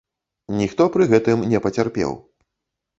Ніхто пры гэтым не пацярпеў.